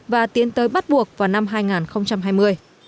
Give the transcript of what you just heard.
và tiến tới bắt buộc vào năm hai nghìn hai mươi